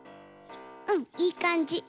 うんいいかんじ。